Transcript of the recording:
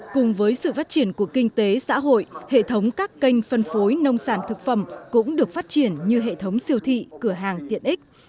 cùng với sự phát triển của kinh tế xã hội hệ thống các kênh phân phối nông sản thực phẩm cũng được phát triển như hệ thống siêu thị cửa hàng tiện ích